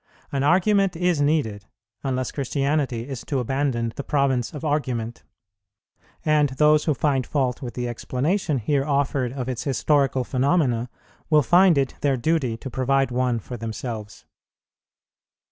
An argument is needed, unless Christianity is to abandon the province of argument; and those who find fault with the explanation here offered of its historical phenomena will find it their duty to provide one for themselves.